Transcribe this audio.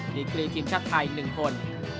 ดีกรีทีมชาติไทย๑คน